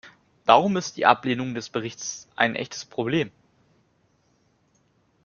Warum ist die Ablehnung des Berichts ein echtes Problem?